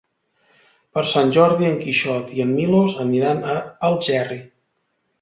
Per Sant Jordi en Quixot i en Milos aniran a Algerri.